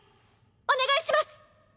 お願いします！